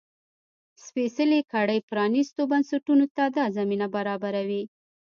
سپېڅلې کړۍ پرانيستو بنسټونو ته دا زمینه برابروي.